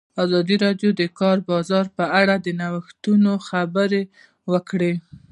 ازادي راډیو د د کار بازار په اړه د نوښتونو خبر ورکړی.